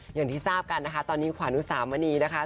อย่างที่ทราบกันนะคะตอนนี้ขวานอุสามณีนะคะ